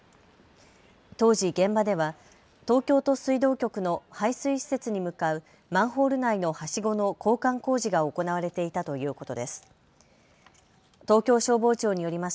当時、現場では東京都水道局の排水施設に向かうマンホール内のはしごの交換工事が行われていたということです。